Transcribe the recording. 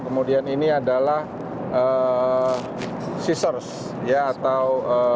kemudian ini adalah scissors atau